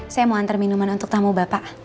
saya mau antar minuman untuk tamu bapak